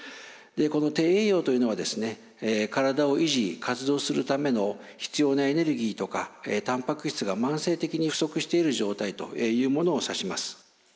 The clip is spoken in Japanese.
この低栄養というのは体を維持・活動するための必要なエネルギーとかたんぱく質が慢性的に不足している状態というものを指します。